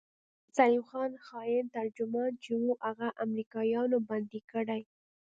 سليم هغه خاين ترجمان چې و هغه امريکايانو بندي کړى.